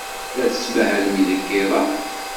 La tettmahalem deg yiḍ-a?